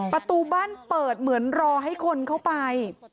ประตูบ้านเปิดเหมือนรอให้คนเข้าไป